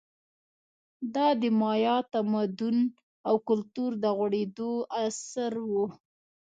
دا د مایا تمدن او کلتور د غوړېدو عصر و